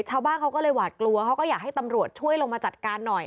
ชาวบ้านเขาก็เลยหวาดกลัวเขาก็อยากให้ตำรวจช่วยลงมาจัดการหน่อย